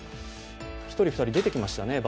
１人、２人が出てきましたね。